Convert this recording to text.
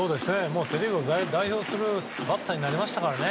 セ・リーグを代表するバッターになりましたからね。